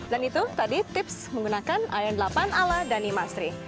dan itu tadi tips menggunakan iron delapan ala dhani mastri